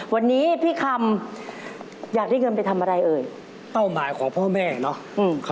วันนี้พี่คำอยากได้เงินไปทำอะไรเอ่ยเป้าหมายของพ่อแม่เนาะ